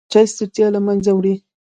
چای ستړیا له منځه وړي.